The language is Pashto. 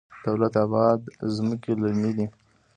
د دولت اباد ځمکې للمي دي